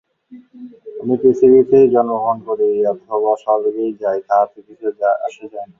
আমি পৃথিবীতেই জন্মগ্রহণ করি অথবা স্বর্গেই যাই, তাহাতে কিছুই আসে যায় না।